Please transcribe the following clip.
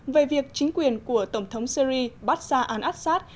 về việc chính quyền của tổng thống syrii bashar al assad